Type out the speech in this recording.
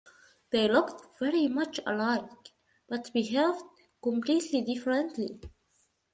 They looked very much alike but behaved completely differently.